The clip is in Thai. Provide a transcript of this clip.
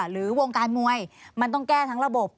หรือวงการมวยมันต้องแก้ทั้งระบบ